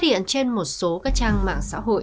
có thể diễn trên một số các trang mạng xã hội